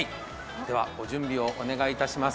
ご準備をお願いいたします。